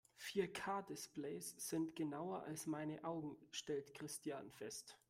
Vier-K-Displays sind genauer als meine Augen, stellt Christian fest.